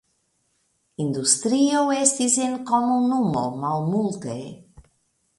Industrio estis en komunumo malmulte.